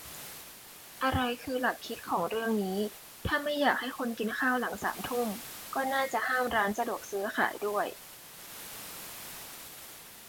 อะไรคือหลักคิดของเรื่องนี้ ถ้าไม่อยากให้คนกินข้าวหลังสามทุ่ม ก็น่าจะห้ามร้านสะดวกซื้อขายด้วย